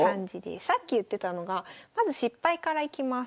さっき言ってたのがまず失敗からいきます。